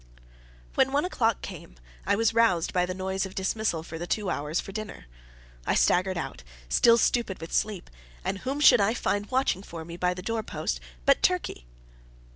When one o'clock came, I was roused by the noise of dismissal for the two hours for dinner. I staggered out, still stupid with sleep, and whom should I find watching for me by the door post but Turkey!